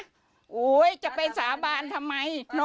สวัสดีคุณผู้ชายสวัสดีคุณผู้ชาย